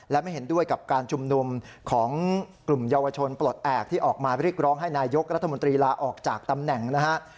และไม่เห็นด้วยกับการชุมนุมของกลุ่มเยาวชนปลดแอบที่ออกมาเรียกร้องให้นายกรัฐมนตรีลาออกจากตำแหน่งนะฮะ